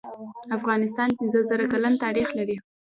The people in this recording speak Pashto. افغانستان پنځه زر کلن تاریخ لري.